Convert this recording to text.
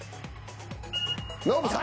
ノブさん。